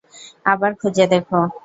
আবার খুঁজে দেখ।